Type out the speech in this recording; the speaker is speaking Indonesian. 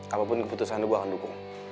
apapun keputusan lo aku dukung